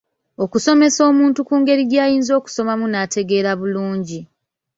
Okusomesa omuntu ku ngeri gy'ayinza okusomamu n'ategeera bulungi .